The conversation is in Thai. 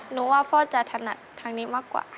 หนูว่าพ่อจะถนัดทางนี้มากกว่าค่ะ